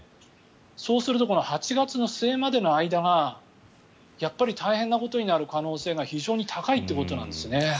そうすると８月末までの間がやっぱり大変なことになる可能性が非常に高いということなんですね。